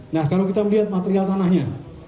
nah kalau kita melihat material tanahnya